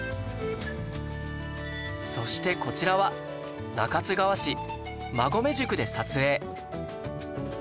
そしてこちらは中津川市馬籠宿で撮影